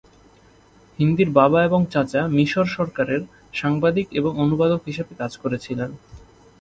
হিন্দির বাবা এবং চাচা মিশর সরকারের সাংবাদিক এবং অনুবাদক হিসাবে কাজ করেছিলেন।